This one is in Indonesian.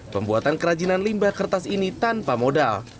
pembuatan kerajinan limbah kertas ini tanpa modal